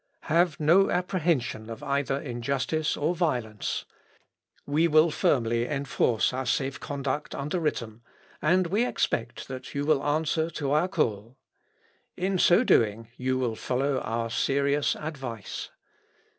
Have no apprehension of either injustice or violence. We will firmly enforce our safe conduct under written, and we expect that you will answer to our call. In so doing you will follow our serious advice.